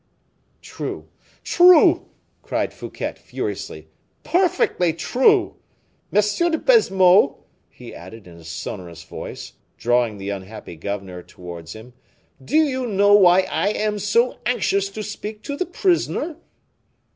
"True. True!" cried Fouquet, furiously; "perfectly true. M. de Baisemeaux," he added, in a sonorous voice, drawing the unhappy governor towards him, "do you know why I am so anxious to speak to the prisoner?"